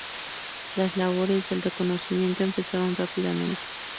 Las labores de reconocimiento empezaron rápidamente.